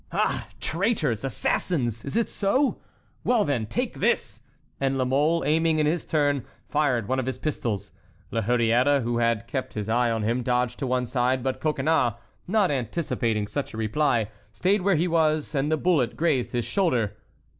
"Ah, traitors! assassins!—is it so? Well, then, take this!" and La Mole, aiming in his turn, fired one of his pistols. La Hurière, who had kept his eye on him, dodged to one side; but Coconnas, not anticipating such a reply, stayed where he was, and the bullet grazed his shoulder.